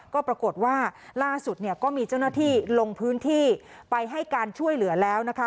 ก็ปรากฏว่าล่าสุดเนี่ยก็มีเจ้าหน้าที่ลงพื้นที่ไปให้การช่วยเหลือแล้วนะคะ